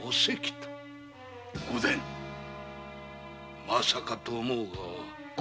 御前まさかとは思うが。